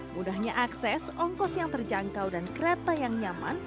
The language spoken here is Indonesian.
mudahnya akses ongkos yang terjangkau dan kereta yang nyaman